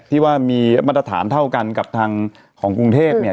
ที่ว่ามีมาตรฐานเท่ากันกับทางของกรุงเทพเนี่ย